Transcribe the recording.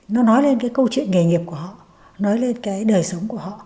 nó nói lên cái câu chuyện nghề nghiệp của họ nói lên cái đời sống